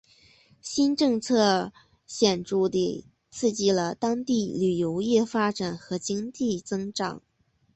新政策显着地刺激了当地旅游业发展和经济增长。